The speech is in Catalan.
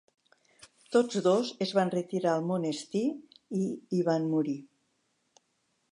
Tots dos es van retirar al monestir i hi van morir.